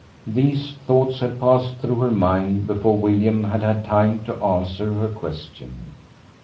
These thoughts had passed through her mind before William had had time to answer her question.